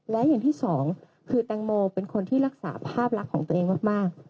และอย่างที่สองคือแตงโมเป็นคนที่รักษาภาพลักษณ์ของตัวเองมาก